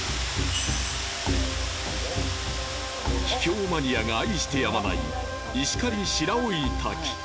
秘境マニアが愛してやまない石狩白老滝